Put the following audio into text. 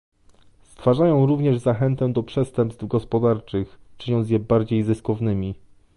Stwarzają również zachętę do przestępstw gospodarczych, czyniąc je bardziej zyskownymi